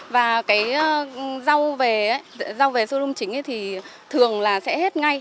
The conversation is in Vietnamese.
và cái rau về rau về sô đông chính thì thường là sẽ hết ngay